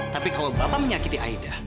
tapi kalau bapak menyakiti aida